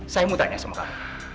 saya mau tanya sama kalian